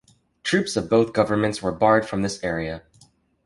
Troops of both governments were barred from this area.